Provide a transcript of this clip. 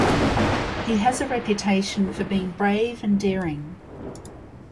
He has a reputation for being brave and daring.